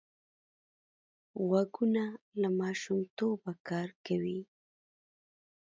غوږونه له ماشومتوبه کار کوي